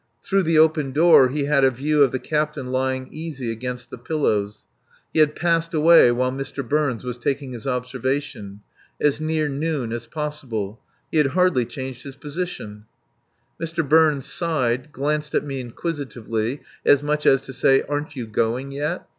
Through the open door he had a view of the captain lying easy against the pillows. He had "passed away" while Mr. Burns was taking this observation. As near noon as possible. He had hardly changed his position. Mr. Burns sighed, glanced at me inquisitively, as much as to say, "Aren't you going yet?"